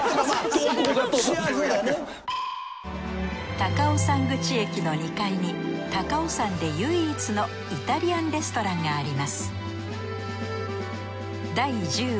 高尾山口駅の２階に高尾山で唯一のイタリアンレストランがあります